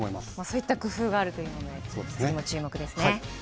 そういった工夫があるということに注目です。